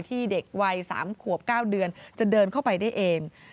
เด็กวัย๓ขวบ๙เดือนจะเดินเข้าไปได้เอง